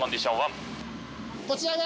こちらが。